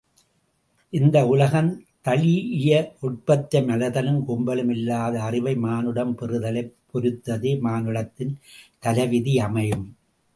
இந்த உலகந்தழீஇய ஒட்பத்தை மலர்தலும் கூம்பலும் இல்லாத அறிவை மானுடம் பெறுதலைப் பொருத்தே மானுடத்தின் தலைவிதி அமையும்!